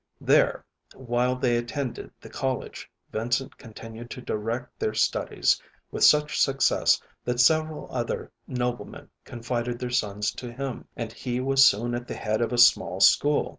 There, while they attended the college, Vincent continued to direct their studies, with such success that several other noblemen confided their sons to him, and he was soon at the head of a small school.